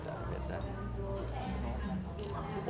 ได้ครับ